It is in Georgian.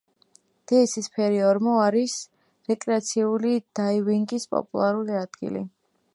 დიდი ცისფერი ორმო არის რეკრეაციული დაივინგის პოპულარული ადგილი.